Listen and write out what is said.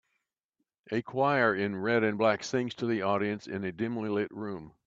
A choir in red and black sings to the audience in a dimly lit room.